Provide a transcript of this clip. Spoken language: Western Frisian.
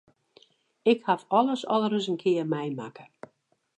Ik haw alles al ris in kear meimakke.